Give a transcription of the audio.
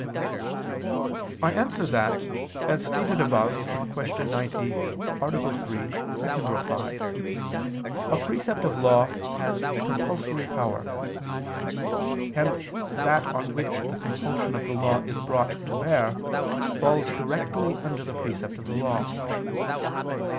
I answer that, As stated above (Q. 90, A. 3, ad 2), a precept of law has compulsory power. Hence that on which the compulsion of the law is brought to bear, falls directly under the precept of the law.